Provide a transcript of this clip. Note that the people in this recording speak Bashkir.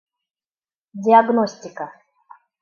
Диагностика.